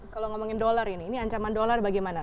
kalau ngomongin dolar ini ini ancaman dolar bagaimana